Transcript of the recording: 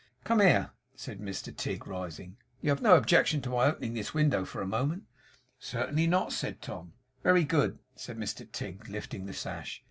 'Come here,' said Mr Tigg, rising. 'You have no objection to my opening this window for a moment?' 'Certainly not,' said Tom. 'Very good,' said Mr Tigg, lifting the sash.